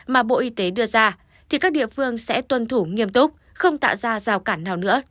mà bộ y tế đưa ra thì các địa phương sẽ tuân thủ nghiêm túc không tạo ra rào cản nào nữa cho người dân